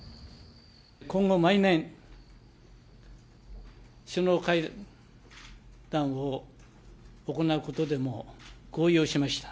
今後、毎年、首脳会談を行うことでも合意をしました。